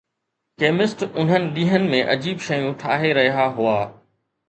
chemist انهن ڏينهن ۾ عجيب شيون ٺاهي رهيا آهن